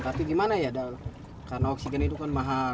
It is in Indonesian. tapi gimana ya karena oksigen itu kan mahal